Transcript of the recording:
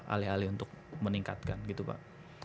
alih alih untuk meningkatkan gitu pak